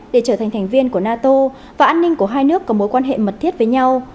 để trở thành thành viên của nato và an ninh của hai nước có mối quan hệ mật thiết với nhau